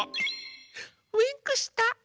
ウインクした。